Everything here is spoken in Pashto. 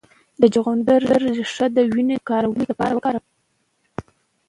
د چغندر ریښه د وینې د جوړولو لپاره وکاروئ